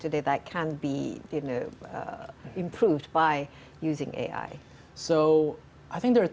jadi saya pikir ada tiga masalah yang terdapat